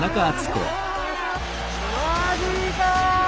マジか！